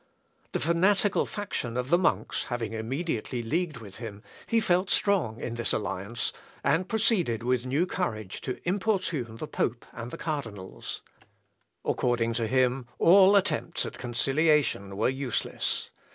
The fanatical faction of the monks having immediately leagued with him he felt strong in this alliance, and proceeded with new courage to importune the pope and the cardinals. According to him all attempts at conciliation were useless.